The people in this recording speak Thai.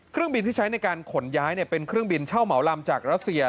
เครื่องบินที่ใช้ในการขนย้ายเป็นเครื่องบินเช่าเหมาลำจากรัสเซีย